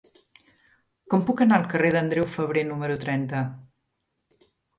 Com puc anar al carrer d'Andreu Febrer número trenta?